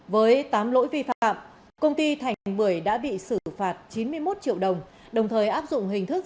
với tám lỗi vi phạm công ty thành bưởi đã bị xử phạt chín mươi một triệu đồng đồng thời áp dụng hình thức